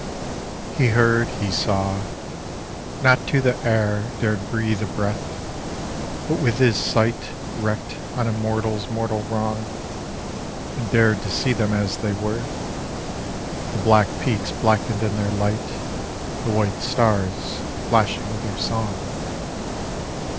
..... He heard, he saw. Not to the air Dared breathe a breath; but with his sight Wreak'd on Immortals mortal wrong, And dared to see them as they were— The black Peaks blacken'd in their light, The white Stars flashing with their song.